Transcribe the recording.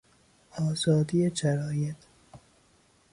آزادی جراید